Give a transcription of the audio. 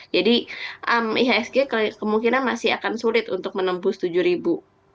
ihsg kemungkinan masih akan sulit untuk menembus tujuh ribu